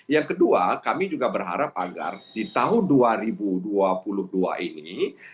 yang kedua kami juga berharap agar di tahun dua ribu dua puluh dua ini